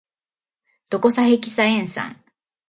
ドコサヘキサエン酸